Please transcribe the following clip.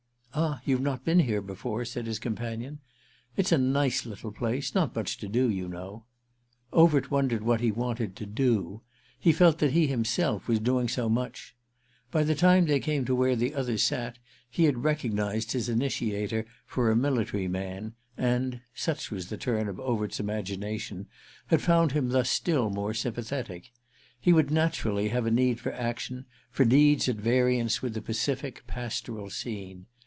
"Ah you've not been here before?" said his companion. "It's a nice little place—not much to do, you know". Overt wondered what he wanted to "do"—he felt that he himself was doing so much. By the time they came to where the others sat he had recognised his initiator for a military man and—such was the turn of Overt's imagination—had found him thus still more sympathetic. He would naturally have a need for action, for deeds at variance with the pacific pastoral scene.